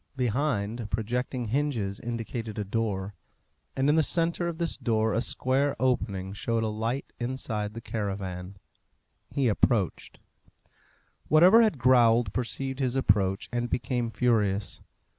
Behind, projecting hinges indicated a door, and in the centre of this door a square opening showed a light inside the caravan. He approached. Whatever had growled perceived his approach, and became furious.